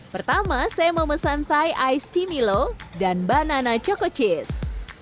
pertama saya memesan thai ice cmilo dan banana choco cheese